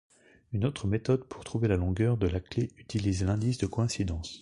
Une autre méthode pour trouver la longueur de la clef utilise l'indice de coïncidence.